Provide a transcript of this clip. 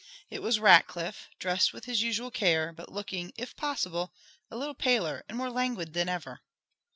It was Rackliff, dressed with his usual care, but looking, if possible, a little paler and more languid than ever.